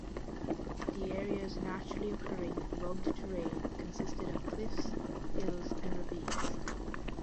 The area's naturally-occurring, rugged terrain consisted of cliffs, hills and ravines.